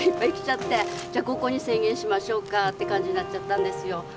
じゃ５個に制限しましょうかって感じになっちゃったんですよ。